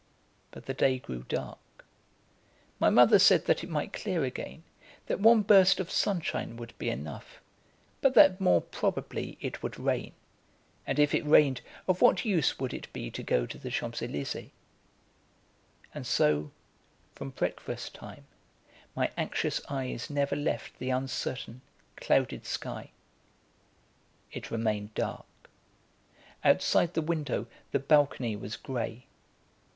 But the day grew dark. My mother said that it might clear again, that one burst of sunshine would be enough, but that more probably it would rain; and if it rained, of what use would it be to go to the Champs Elysées? And so, from breakfast time, my anxious eyes never left the uncertain, clouded sky. It remained dark: Outside the window, the balcony was grey.